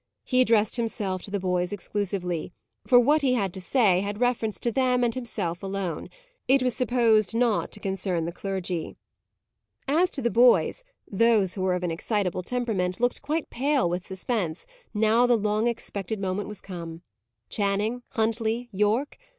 He addressed himself to the boys exclusively; for, what he had to say, had reference to them and himself alone: it was supposed not to concern the clergy. As to the boys, those who were of an excitable temperament, looked quite pale with suspense, now the long expected moment was come. Channing? Huntley? Yorke?